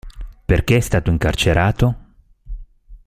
Perché è stato incarcerato?